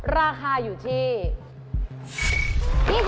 ราคาอยู่ที่๒๕บาท